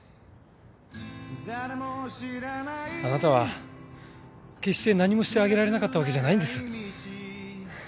あなたは決して何もしてあげられなかったわけじゃないんです。